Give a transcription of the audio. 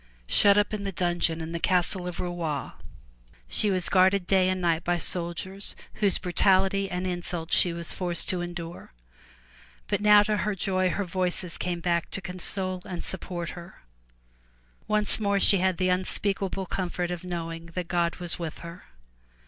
Shut up in the dungeon of the Castle at Rouen, she was guarded day and night by soldiers whose brutality and insults she was forced to endure. But now to her joy her Voices came back to console and support her. Once more she had the un speakable comfort of knowing that God was with her.